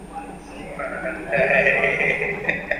আশা স্বামীর কৃতকার্যতায় উৎফুল্ল হইয়া উঠিয়া সখীকে আলিঙ্গন করিয়া ধরিল।